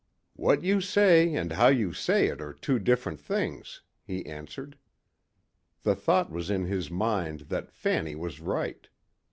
"What you say and how you say it are two different things," he answered. The thought was in his mind that Fanny was right.